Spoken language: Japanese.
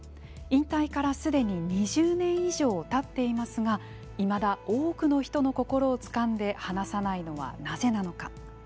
引退からすでに２０年以上たっていますがいまだ多くの人の心をつかんで離さないのは、なぜなのか。